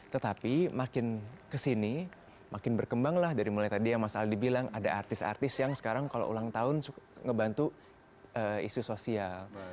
tetapi makin kesini makin berkembang lah dari mulai tadi yang mas aldi bilang ada artis artis yang sekarang kalau ulang tahun ngebantu isu sosial